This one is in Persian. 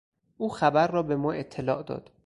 او خبر را به ما اطلاع داد.